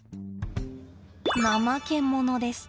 ナマケモノです。